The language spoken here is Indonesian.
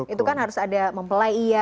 itu kan harus ada mempelai iya